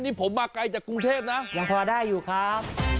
นี่ผมมาไกลจากกรุงเทพนะยังพอได้อยู่ครับ